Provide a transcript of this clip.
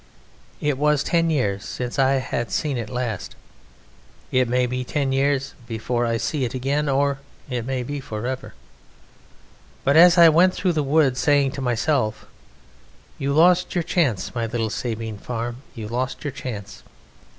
It was ten years since I had seen it last. It may be ten years before I see it again, or it may be for ever. But as I went through the woods saying to myself: "You lost your chance, my little Sabine Farm, you lost your chance!"